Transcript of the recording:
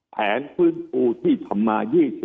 แผนฟื้นฟูที่ทำมา๒๐